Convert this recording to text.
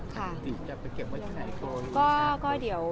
จะไปเก็บไว้ที่ไหน